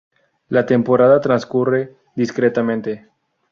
La temporada transcurre discretamente.